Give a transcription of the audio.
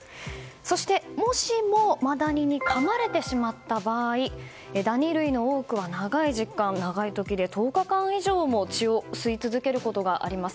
そして、もしもマダニにかまれてしまった場合ダニ類の多くは長い時間長い時で１０日間以上も血を吸い続けることがあります。